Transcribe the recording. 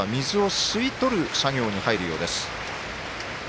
これで今度は水を吸い取る作業に入るようです。